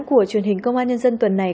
của truyền hình công an nhân dân tuần này